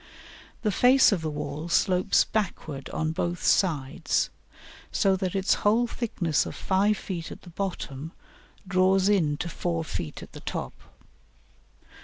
"] The face of the wall slopes backward on both sides, so that its whole thickness of five feet at the bottom draws in to four feet at the top.